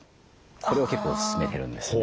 これを結構勧めてるんですね。